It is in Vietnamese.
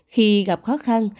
khi gặp khó khăn